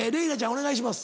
お願いします。